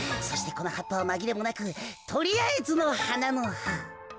そしてこのはっぱはまぎれもなくとりあえずのはなのは。